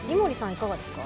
いかがですか？